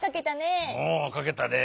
おおかけたね。